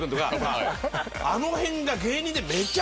あのへんが芸人で。